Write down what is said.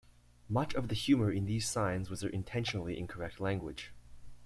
Much of the humor in these signs was their intentionally incorrect language.